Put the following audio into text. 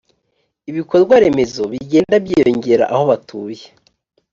ibikorwaremezo bigenda byiyongera aho batuye